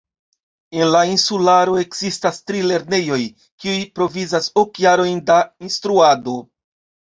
En la insularo ekzistas tri lernejoj, kiuj provizas ok jarojn da instruado.